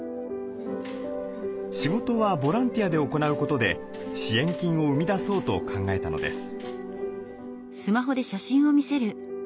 仕事はボランティアで行うことで支援金を生み出そうと考えたのです。